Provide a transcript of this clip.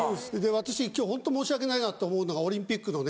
私今日ホント申し訳ないなと思うのがオリンピックのね